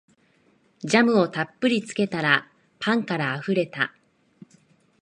ジャムをたっぷりつけたらパンからあふれた